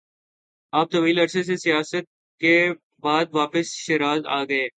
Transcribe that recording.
آپ طویل عرصہ سے سیاحت کے بعد واپس شیراز آگئے-